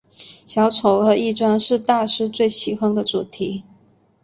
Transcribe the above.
小丑和易装是大师最喜欢的主题。